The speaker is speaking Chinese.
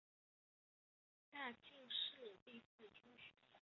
大庆市第四中学。